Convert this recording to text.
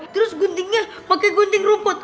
terus guntingnya pakai gunting rumput